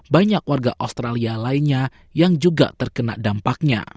banyak warga australia lainnya yang juga terkena dampaknya